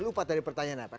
lupa dari pertanyaan apa